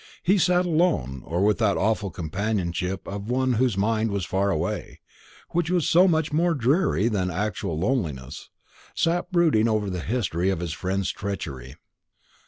He sat alone, or with that awful companionship of one whose mind was far away, which was so much more dreary than actual loneliness sat brooding over the history of his friend's treachery.